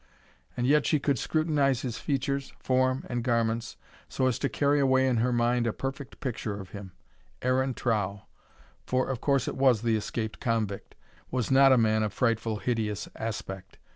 And yet she could scrutinise his features, form, and garments, so as to carry away in her mind a perfect picture of them. Aaron Trow—for of course it was the escaped convict—was not a man of frightful, hideous aspect.